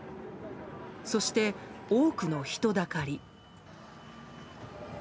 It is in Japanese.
そして多くの人だかり。